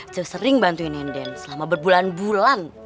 saya sering bantuin nenden selama berbulan bulan